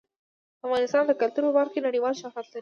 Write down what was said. افغانستان د کلتور په برخه کې نړیوال شهرت لري.